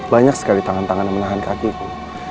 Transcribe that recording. banyak sekali tangan tangan yang menahan kakiku